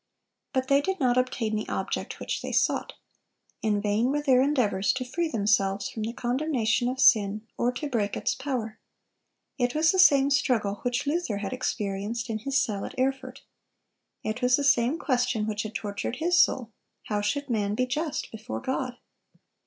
But they did not obtain the object which they sought. In vain were their endeavors to free themselves from the condemnation of sin or to break its power. It was the same struggle which Luther had experienced in his cell at Erfurt. It was the same question which had tortured his soul,—"How should man be just before God?"